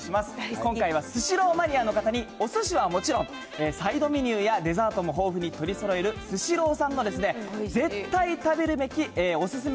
今回はスシローマニアの方に、おすしはもちろん、サイドメニューやデザートも豊富に取りそろえるスシローさんの絶対食べるべきお勧め